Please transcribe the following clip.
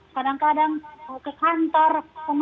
kadang kadang ke kantor